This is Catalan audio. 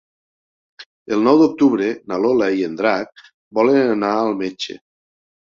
El nou d'octubre na Lola i en Drac volen anar al metge.